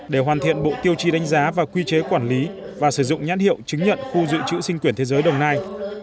để hoàn thiện bộ tiêu chí đánh giá và quy chế quản lý và sử dụng nhãn hiệu chứng nhận khu dự trữ sinh quyển thế giới đồng nai